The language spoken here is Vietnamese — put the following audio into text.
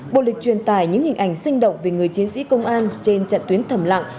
bộ lịch truyền tải những hình ảnh sinh động về người chiến sĩ công an trên trận tuyến thầm lặng